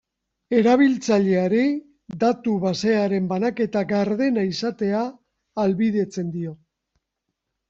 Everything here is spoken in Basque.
Erabiltzaileri datu-basearen banaketa gardena izatea ahalbidetzen dio.